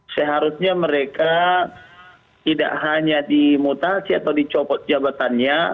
seharusnya mereka tidak hanya dimutasi atau dicopot jabatannya